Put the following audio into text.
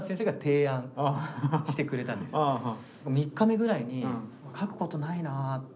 ３日目ぐらいに書くことないなって